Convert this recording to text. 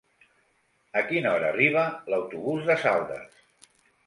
A quina hora arriba l'autobús de Saldes?